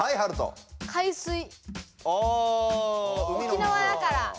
沖縄だから。